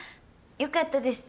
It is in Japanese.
よかったです。